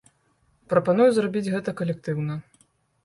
Прапаную зрабіць гэта калектыўна.